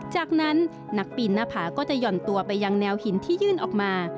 จากนั้นนักปีนหน้าผาก็จะหย่อนตัวไปยังแนวหินที่ยื่นออกมา